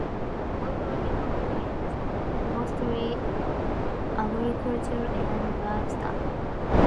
The local economy is mostly agriculture and livestock.